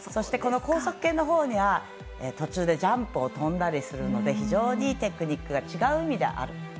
高速系のほうには途中にジャンプを飛んだりするので非常にテクニックが違う意味である。